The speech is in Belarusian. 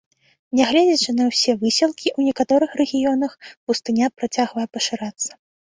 Нягледзячы на ўсе высілкі, у некаторых рэгіёнах пустыня працягвае пашырацца.